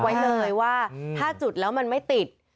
คือขอเตือนเอาไว้ไว้เลยว่าถ้าจุดแล้วมันไม่ติด